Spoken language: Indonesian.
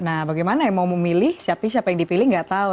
nah bagaimana yang mau memilih siapa yang dipilih nggak tahu